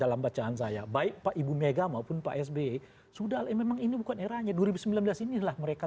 dalam bacaan saya baik pak ibu mega maupun pak sby sudah memang ini bukan eranya dua ribu sembilan belas inilah mereka